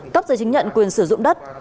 cấp giới chứng nhận quyền sử dụng đất